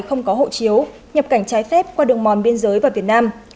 không có hộ chiếu nhập cảnh trái phép qua đường mòn biên giới vào việt nam